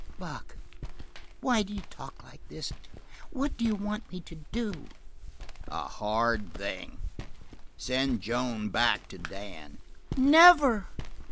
"Buck, why do you talk like this? What do you want me to do?" "A hard thing. Send Joan back to Dan." "Never!"